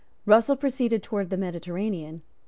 Russell proceeded towards the Mediterranean.